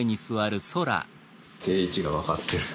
定位置が分かってる。